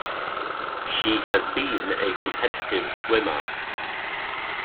She has been a competitive swimmer.